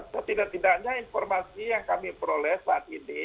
setidak tidaknya informasi yang kami peroleh saat ini